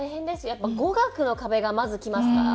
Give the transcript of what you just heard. やっぱ語学の壁がまずきますから。